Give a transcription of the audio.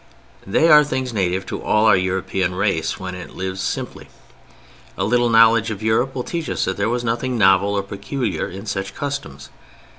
They are things native to all our European race when it lives simply. A little knowledge of Europe will teach us that there was nothing novel or peculiar in such customs.